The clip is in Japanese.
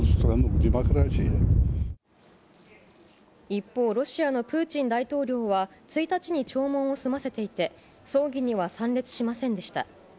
一方、ロシアのプーチン大統領は１日に弔問を済ませていて、葬儀には参列しませんでした。